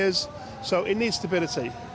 jadi itu membutuhkan stabilitas